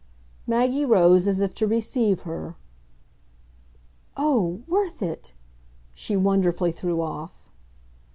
Maggie rose as if to receive her. "Oh worth it!" she wonderfully threw off.